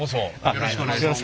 よろしくお願いします。